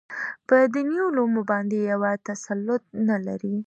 په دیني علومو باندې پوره تسلط نه لري.